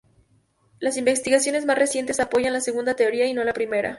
Las investigaciones más recientes apoyan la segunda teoría, y no la primera.